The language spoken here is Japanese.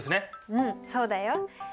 うんそうだよ。